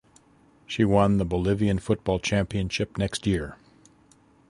She won the Bolivian football championship next year.